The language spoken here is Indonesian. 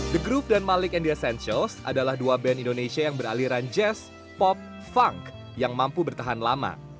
the group dan malik and the essentials adalah dua band indonesia yang beraliran jazz pop funk yang mampu bertahan lama